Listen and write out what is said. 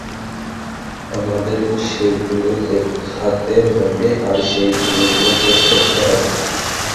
আমাদের সেগুলো দেখাতে হবে, আর সেই ছবিগুলো পোস্ট করতে হবে।